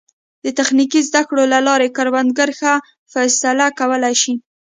د تخنیکي زده کړو له لارې کروندګر ښه فیصله کولی شي.